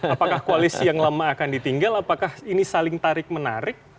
apakah koalisi yang lama akan ditinggal apakah ini saling tarik menarik